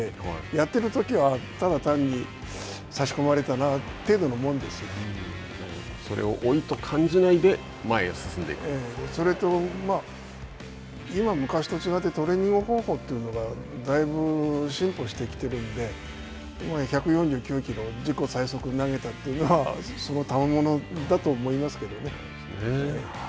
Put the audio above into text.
やっているときは、ただ単に、差それを老いと感じないで、前へそれと、今は昔と違ってトレーニング方法というのがだいぶ進歩してきているので、１４９キロ、自己最速投げたというのはそのたまものだと思いますけどね。